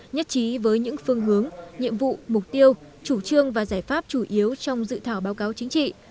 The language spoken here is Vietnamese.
nhất trí với những phương hướng nhiệm vụ mục tiêu chủ trương và giải pháp chủ yếu trong dự thảo báo cáo chính trị